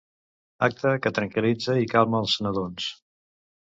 Acte que tranquil·litza i calma els nadons.